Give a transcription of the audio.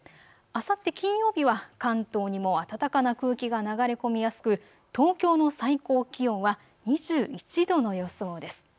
あさって金曜日は関東にも暖かな空気が流れ込みやすく東京の最高気温は２１度の予想です。